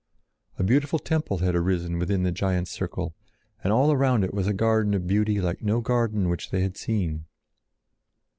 A beautiful temple had arisen within the giant circle, and all around it was a garden of beauty like no garden which they had seen.